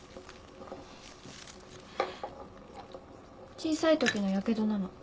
小さいときのヤケドなの。